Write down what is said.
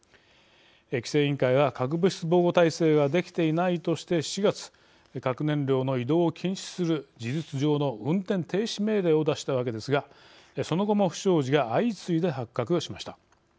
規制委員会は核物質防護体制ができていないとして４月核燃料の移動を禁止する事実上の運転停止命令を出したわけですがその後も不祥事が相次いで発覚しました。